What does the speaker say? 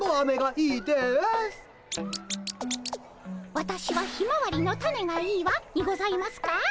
「わたしはひまわりの種がいいわ」にございますか？